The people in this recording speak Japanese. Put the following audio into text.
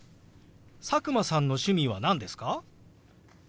佐久間さんの趣味は何ですか？